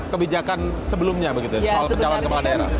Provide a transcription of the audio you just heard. kebijakan sebelumnya begitu ya soal pencalon kepala daerah